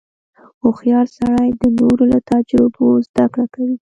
• هوښیار سړی د نورو له تجربو زدهکړه کوي.